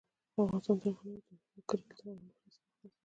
افغانستان تر هغو نه ابادیږي، ترڅو له کرکې او نفرت څخه خلاص نشو.